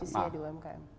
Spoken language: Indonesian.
komposisi di umkm